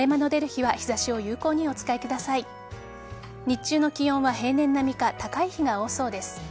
日中の気温は平年並みか、高い日が多そうです。